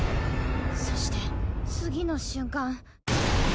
そして次の瞬間。